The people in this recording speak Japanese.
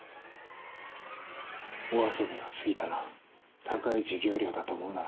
お遊びが過ぎたな高い授業料だと思うんだな。